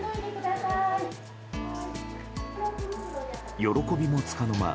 喜びもつかの間。